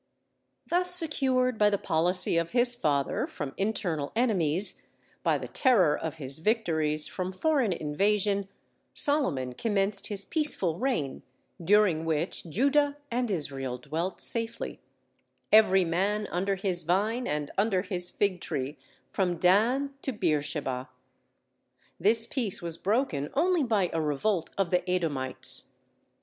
[Footnote 25: I Kings, i.] Thus secured by the policy of his father from internal enemies, by the terror of his victories from foreign invasion, Solomon commenced his peaceful reign, during which Judah and Israel dwelt safely, Every man under his vine and under his fig tree, from Dan to Beersheba. This peace was broken only by a revolt of the Edomites.